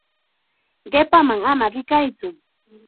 Qipaman ama rikaytsu.